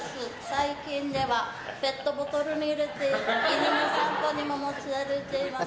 最近では、ペットボトルに入れて犬の散歩にも持ち歩いています。